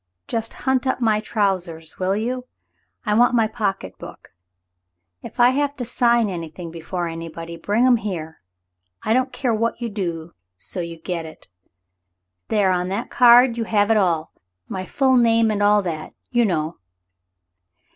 Just hunt up my trousers, will you ? I want my pocket book. If I have to sign anything before anybody — bring him here. I don't care what you do, so you get it. There, on that card you have it all — my full name and all that, you know."